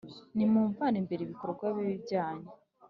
nimumvane imbere ibikorwa bibi byanyu,